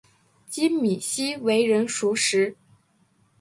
金珉锡为人熟识。